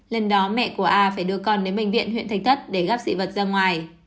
lên đó mẹ của a phải đưa con đến bệnh viện huyện thành thất để gắp dị vật ra ngoài